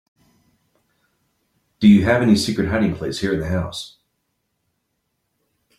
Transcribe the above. Do you have any secret hiding place here in the house?